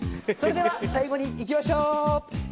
それでは最後にいきましょう。